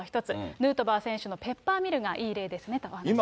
ヌートバー選手のペッパーミルがいい例ですねと話していました。